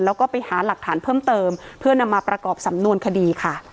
แล้วก็ไปหาหลักฐานเพิ่มเติมเพื่อนำมาประกอบสำนวนคดีค่ะ